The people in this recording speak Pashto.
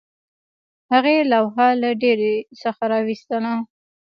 هغې لوحه له ډیرۍ څخه راویستله